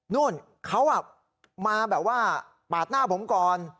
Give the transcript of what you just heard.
นู่นเขามาแบบว่าปาดหน้าผมก่อน